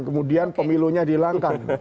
kemudian pemilunya dilangkan